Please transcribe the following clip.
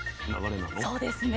そうですね。